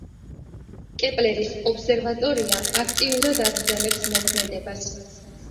კეპლერის ობსერვატორია აქტიურად აგრძელებს მოქმედებას.